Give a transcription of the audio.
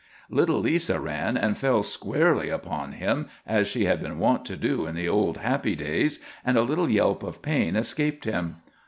Little Lisa ran and fell squarely upon him, as she had been wont to do in the old, happy days, and a little yelp of pain escaped him.